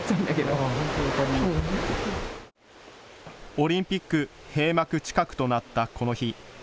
オリンピック閉幕近くとなったこの日。